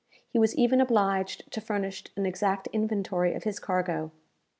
He was even obliged to furnish an exact inventory of his cargo.